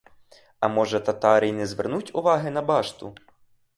А може, татари й не звернуть уваги на башту.